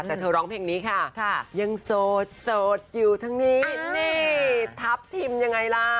แต่เธอร้องเพลงนี้ค่ะยังโสดโสดอยู่ทั้งนี้นี่ทัพทิมยังไงล่ะ